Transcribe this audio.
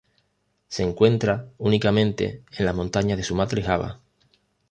Se encuentra únicamente en las montañas de Sumatra y Java.